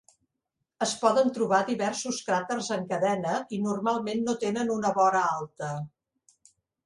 Es poden trobar diversos cràters en cadena i normalment no tenen una vora alta.